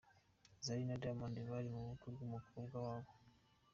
Zari na Diamond bari mu bukwe bw’umukozi wabo.